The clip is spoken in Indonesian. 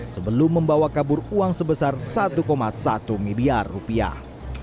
sebelum membawa kabur uang sebesar satu satu miliar rupiah